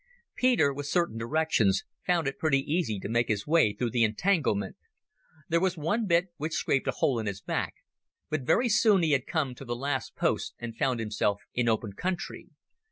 Peter, with certain directions, found it pretty easy to make his way through the entanglement. There was one bit which scraped a hole in his back, but very soon he had come to the last posts and found himself in open country.